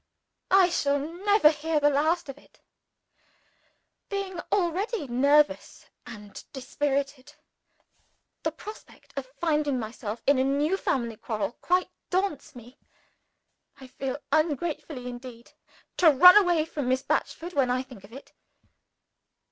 I shall never hear the last of it. Being already nervous and dispirited, the prospect of finding myself involved in a new family quarrel quite daunts me. I feel ungratefully inclined to run away from Miss Batchford, when I think of it!